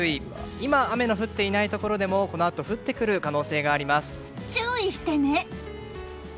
今、雨が降っていないところでもこのあと降ってくる注意してね！